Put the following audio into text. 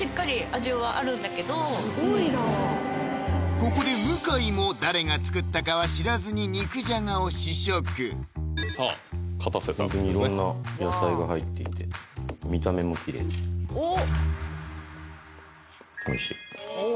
ここで向井も誰が作ったかは知らずに肉じゃがを試食ホントにいろんな野菜が入っていて見た目もきれいおっ！